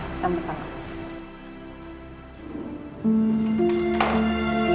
kita akan sama sama cari jalan keluarnya